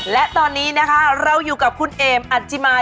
และตอนนี้นะคะเราอยู่กับคุณเอมอัจจิมาย